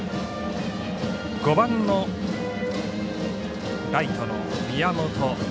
５番のライトの宮本。